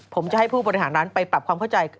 ผมจะให้ผู้บริหารร้านไปปรับความเข้าใจ